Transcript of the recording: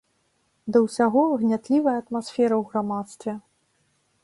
Да ўсяго, гнятлівая атмасфера ў грамадстве.